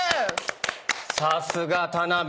さすが田辺さん。